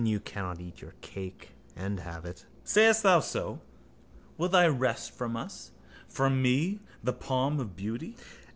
You cannot eat your cake and have it. Sayest thou so? Will they wrest from us, from me, the palm of beauty?